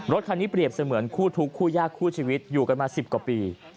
รถคันนี้เปรียบเสมือนคู่ทุกคู่ยากคู่ชีวิตอยู่กันมา๑๐กว่าปี